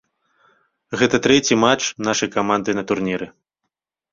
Гэта трэці матч нашай каманды на турніры.